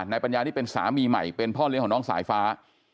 นายปัญญานี่เป็นสามีใหม่เป็นพ่อเลี้ยงของน้องสายฟ้า